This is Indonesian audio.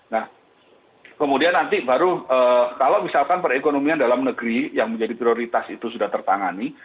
nah kemudian nanti baru kalau misalkan perekonomian dalam negeri yang menjadi prioritas itu sudah tertangani